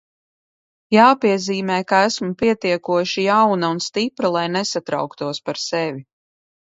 Jāpiezīmē, ka esmu pietiekoši jauna un stipra, lai nesatrauktos par sevi.